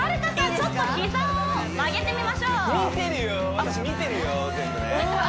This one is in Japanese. ちょっと膝を曲げてみましょううわ